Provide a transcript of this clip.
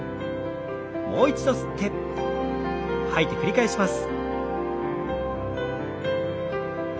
もう一度吸って吐いて繰り返します。